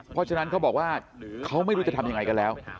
เพราะฉะนั้นเขาบอกว่าเขาไม่รู้จะทำยังไงกันแล้ว